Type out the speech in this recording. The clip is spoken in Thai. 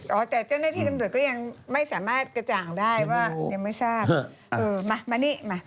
แต่เจ้าหน้าที่จำหน่วยก็ยังไม่สามารถกระจ่างได้ว่ายังไม่ทราบ